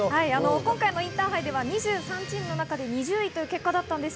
今回のインターハイでは２３チームの中で２０位という結果でした。